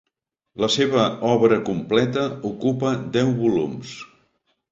La seva obra completa ocupa deu volums.